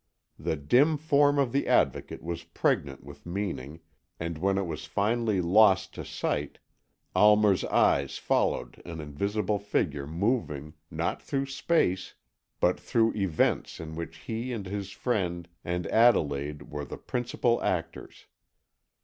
The dim form of the Advocate was pregnant with meaning, and when it was finally lost to sight, Almer's eyes followed an invisible figure moving, not through space, but through events in which he and his friend and Adelaide were the principal actors.